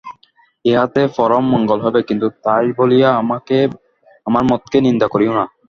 ইহাতে পরম মঙ্গল হইবে, কিন্তু তাই বলিয়া আমার মতকে নিন্দা করিও না।